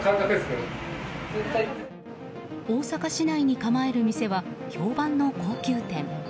大阪市内に構える店は評判の高級店。